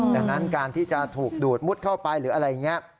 ดังนั้นการที่จะถูกดูดมุดเข้าไปหรืออะไรอย่างนี้